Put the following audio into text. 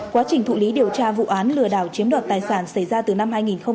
quá trình thụ lý điều tra vụ án lừa đảo chiếm đoạt tài sản xảy ra từ năm hai nghìn một mươi ba